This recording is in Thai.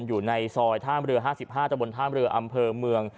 อยู่ในซอยท่ามเรือ๕๕ตะบนท่ามเรืออำเภอเมือง